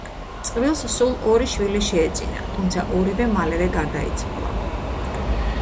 წყვილს სულ ორი შვილი შეეძინა, თუმცა ორივე მალევე გარდაიცვალა.